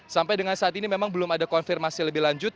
sampai dengan saat ini memang belum ada konfirmasi lebih lanjut